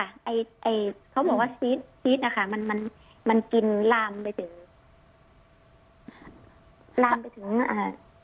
ไอไอเขาบอกว่าค่ะมันมันมันกินลามไปถึงลามไปถึงอ่า